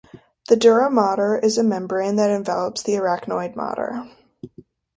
The dura mater is a membrane that envelops the arachnoid mater.